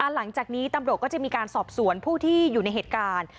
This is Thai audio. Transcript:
หลังจากนี้ตำรวจก็จะมีการสอบสวนผู้ที่อยู่ในเหตุการณ์